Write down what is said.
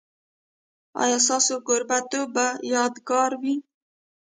ایا ستاسو کوربه توب به یادګار وي؟